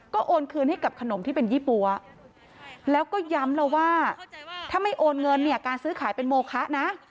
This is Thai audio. ก็โอนคืนให้กับขนมที่เป็นยี่ปั๊วแล้วก็ย้ำแล้วว่าถ้าไม่โอนเงินเนี่ยการซื้อขายเป็นโมคะนะ